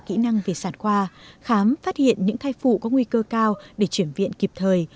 kỹ năng về sản khoa khám phát hiện những thai phụ có nguy cơ cao để chuyển viện kịp thời